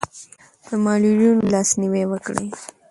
د معلولینو لاسنیوی وکړئ.